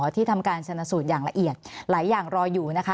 ที่ทำการชนะสูตรอย่างละเอียดหลายอย่างรออยู่นะคะ